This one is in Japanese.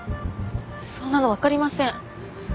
そんなのわかりません。